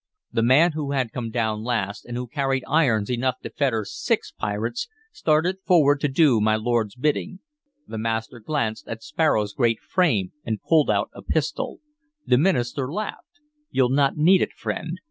The man who had come down last, and who carried irons enough to fetter six pirates, started forward to do my lord's bidding. The master glanced at Sparrow's great frame, and pulled out a pistol. The minister laughed. "You'll not need it, friend.